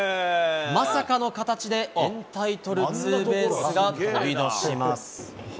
まさかの形で、エンタイトルツーベースが飛び出します。